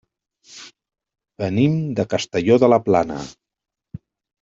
Venim de Castelló de la Plana.